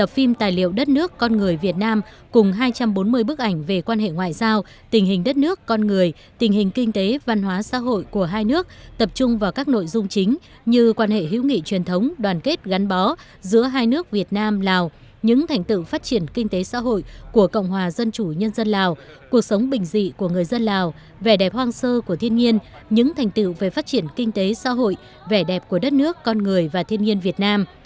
phim tài liệu đất nước con người việt nam cùng hai trăm bốn mươi bức ảnh về quan hệ ngoại giao tình hình đất nước con người tình hình kinh tế văn hóa xã hội của hai nước tập trung vào các nội dung chính như quan hệ hữu nghị truyền thống đoàn kết gắn bó giữa hai nước việt nam lào những thành tựu phát triển kinh tế xã hội của cộng hòa dân chủ nhân dân lào cuộc sống bình dị của người dân lào vẻ đẹp hoang sơ của thiên nhiên những thành tựu về phát triển kinh tế xã hội vẻ đẹp của đất nước con người và thiên nhiên việt nam